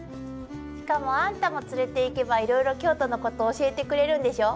しかもあんたも連れていけばいろいろ京都のこと教えてくれるんでしょ。